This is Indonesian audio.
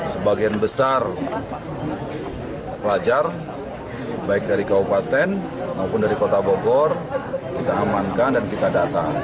sebagian besar pelajar baik dari kabupaten maupun dari kota bogor kita amankan dan kita datang